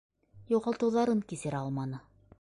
Юғалтыуҙарын кисерә алманы...